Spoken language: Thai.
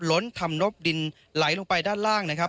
ล้นทำนบดินไหลลงไปด้านล่างนะครับ